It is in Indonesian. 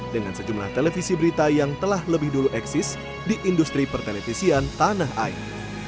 dengan sejumlah televisi berita yang telah lebih dulu eksis di industri pertenetisian tanah air